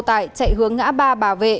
tại chạy hướng ngã ba bà vệ